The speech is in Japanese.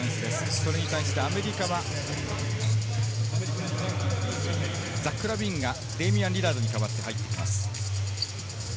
それに対してアメリカはザック・ラビーンがデイミアン・リラードに代わって入ってきます。